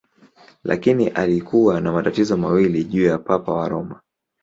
Lakini alikuwa na matatizo mawili juu ya Papa wa Roma.